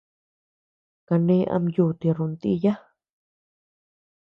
Kane ama yuti runtíya.